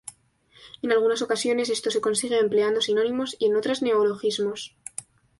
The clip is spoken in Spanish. En algunas ocasiones esto se consigue empleando sinónimos y en otras neologismos.